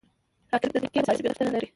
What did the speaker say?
راکټ د دقیقې محاسبې غوښتنه لري